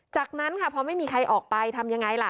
จากนั้นค่ะพอไม่มีใครออกไปทำยังไงล่ะ